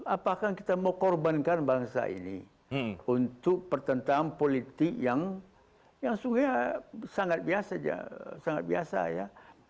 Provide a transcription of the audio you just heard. apakah kita mau korbankan bangsa ini untuk pertentangan politik yang sungguhnya sangat biasa